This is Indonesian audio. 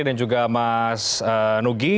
dan juga mas nugi